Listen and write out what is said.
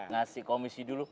ngasih komisi dulu